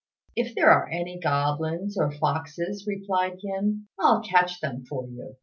"If there are any goblins or foxes," replied Yin, "I'll catch them for you."